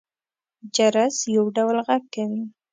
جرس يو ډول غږ کوي.